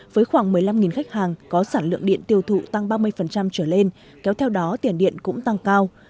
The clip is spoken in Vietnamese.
với khoảng một mươi năm khách hàng có sản lượng điện tiêu thụ tăng ba mươi trở lên kéo theo đó tiền điện cũng tăng cao